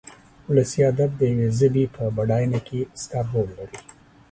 ولسي ادب د يوې ژبې په بډاينه کې ستر رول لري.